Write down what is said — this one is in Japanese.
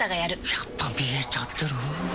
やっぱ見えちゃてる？